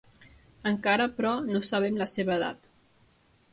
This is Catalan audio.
Encara, però, no sabem la seva edat.